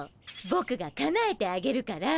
ぼくがかなえてあげるから。